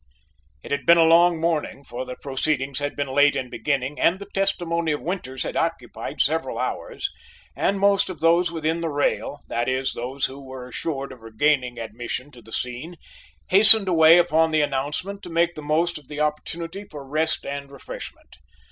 It had been a long morning, for the proceedings had been late in beginning and the testimony of Winters had occupied several hours, and most of those within the rail, that is, those who were assured of regaining admission to the scene, hastened away upon the announcement to make the most of the opportunity for rest and refreshment.